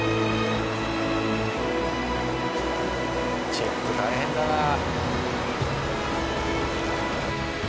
チェック大変だなあ。